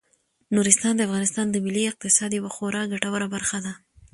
نورستان د افغانستان د ملي اقتصاد یوه خورا ګټوره برخه ده.